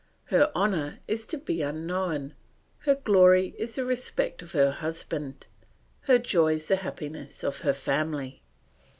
Her honour is to be unknown; her glory is the respect of her husband; her joys the happiness of her family.